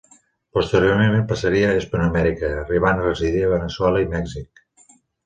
Posteriorment passaria a Hispanoamèrica, arribant a residir a Veneçuela i Mèxic.